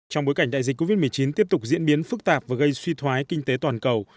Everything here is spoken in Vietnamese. trong bối cảnh đại dịch covid một mươi chín tiếp tục diễn biến phức tạp và gây suy thoái kinh tế toàn cầu